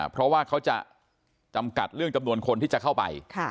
เพราะว่าเขาจะจำกัดเรื่องจำนวนคนที่จะเข้าไป